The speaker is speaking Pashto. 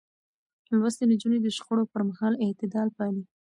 لوستې نجونې د شخړو پر مهال اعتدال پالي.